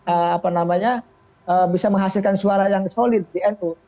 apa namanya bisa menghasilkan suara yang solid di nu